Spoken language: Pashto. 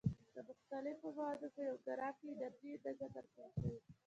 د مختلفو موادو په یو ګرام کې انرژي اندازه درکړل شوې.